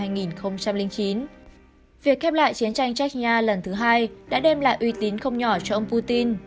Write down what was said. việc khép lại chiến tranh chechnya lần thứ hai đã đem lại uy tín không nhỏ cho ông putin